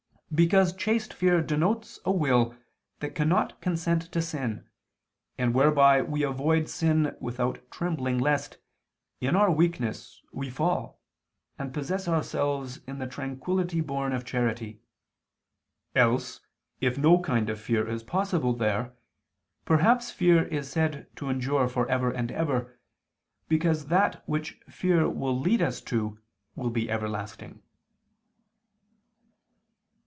Because chaste fear denotes a will that cannot consent to sin, and whereby we avoid sin without trembling lest, in our weakness, we fall, and possess ourselves in the tranquillity born of charity. Else, if no kind of fear is possible there, perhaps fear is said to endure for ever and ever, because that which fear will lead us to, will be everlasting."